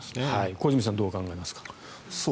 小泉さんはどうお考えですか。